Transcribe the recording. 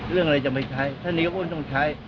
เรื่องอะไรจะไม่ใช้ท่านนี้ก็อ้วนต้องใช้